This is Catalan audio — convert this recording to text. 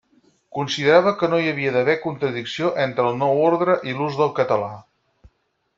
Considerava que no hi havia d'haver contradicció entre el nou ordre i l'ús del català.